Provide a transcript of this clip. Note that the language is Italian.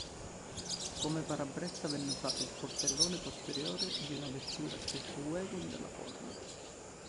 Come parabrezza venne usato il portellone posteriore di una vettura station wagon della Ford.